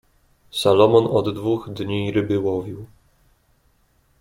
"Salomon od dwóch dni ryby łowił."